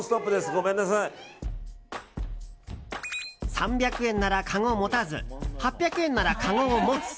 ３００円なら、かご持たず８００円なら、かごを持つ。